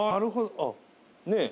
あっねぇ。